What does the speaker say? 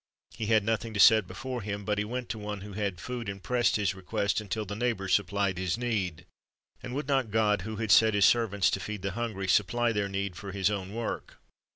He had nothing to set before him, but he went to one who had food, and pressed his request, until the neighbor supplied his need. And would not God, who had sent His servants to feed the hungry, supply their need for His own work?